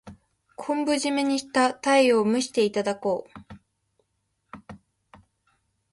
昆布じめにしたタイを蒸していただこう。